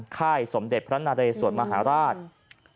ค่ายสมเด็จพระนาเรสวรมหาราช